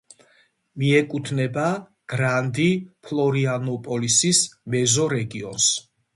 მიეკუთვნება გრანდი-ფლორიანოპოლისის მეზორეგიონს.